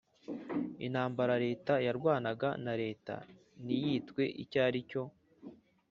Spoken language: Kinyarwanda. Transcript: intambara leta yarwanaga na leta ntiyitwe icyo ari cyo